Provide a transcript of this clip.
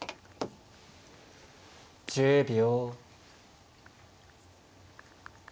１０秒。